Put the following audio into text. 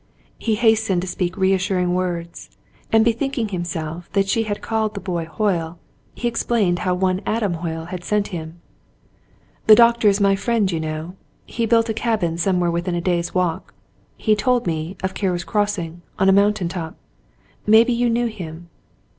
He hastened to speak reassuring words, and, bethinking himself that she had called the boy Hoyle, he explained how one Adam Hoyle had sent him. "The doctor is my friend, you know. He built a cabin somewhere within a day's walk, he told me, of Carew's Crossing, on a mountain top. Maybe you knew him